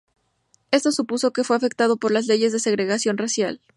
Esto supuso que fue afectado por las leyes de segregación racial.